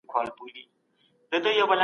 د ننګ او ناموس یادونه کوي